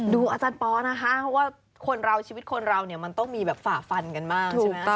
ดูอาจารย์ปอล์นะคะเพราะว่าชีวิตคนเรามันต้องมีฝ่าฟันกันมาก